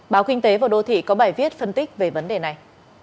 báo kinh tế và đô thị có bài viết phân tích về vấn đề này